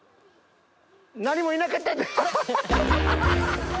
何もいなかった？